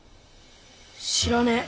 知らねえ。